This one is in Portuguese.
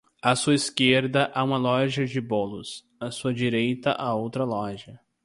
A sua esquerda há uma loja de bolos, a sua direita há outra loja